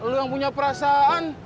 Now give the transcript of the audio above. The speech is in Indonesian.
lo yang punya perasaan